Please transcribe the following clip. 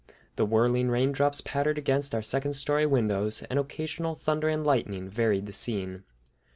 The whirling raindrops pattered against our second story windows, and occasional thunder and lightning varied the scene.